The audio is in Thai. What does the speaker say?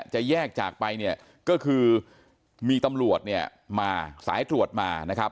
จะแยกจากไปเนี่ยก็คือมีตำรวจเนี่ยมาสายตรวจมานะครับ